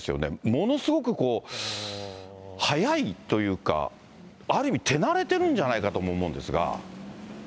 ものすごく、速いというか、ある意味、手慣れてるんじゃないかとも思うんですが。